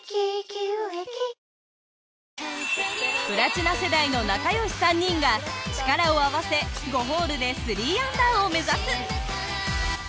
プラチナ世代の仲良し３人が力を合わせ５ホールで３アンダーを目指す。